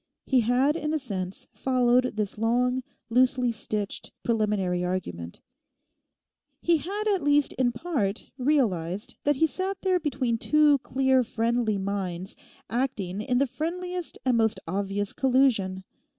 He had in a sense followed this long, loosely stitched, preliminary argument; he had at least in part realised that he sat there between two clear friendly minds acting in the friendliest and most obvious collusion.